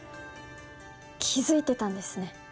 気づいてたんですね